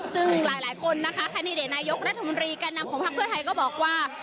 ซึ่งหลายคนนะคะคณิเดชนายกรัฐมนีการนำของภักดิ์เพื่อไทยก็บอกว่า